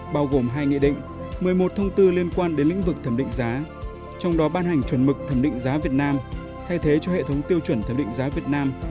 bao gồm hai nghị định một mươi một thông tư liên quan đến lĩnh vực thẩm định giá trong đó ban hành chuẩn mực thẩm định giá việt nam thay thế cho hệ thống tiêu chuẩn thẩm định giá việt nam